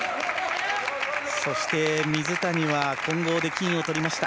そして水谷は混合で金をとりました。